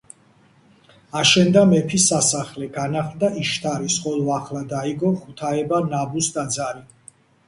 აშენდა მეფის სასახლე, განახლდა იშთარის, ხოლო ახლად აიგო ღვთაება ნაბუს ტაძარი.